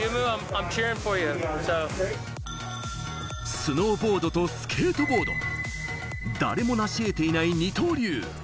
スノーボードとスケートボード、誰もなし得ていない二刀流。